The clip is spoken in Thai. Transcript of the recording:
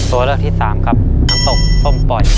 ตัวเลือกที่สามครับน้ำตกส้มปล่อย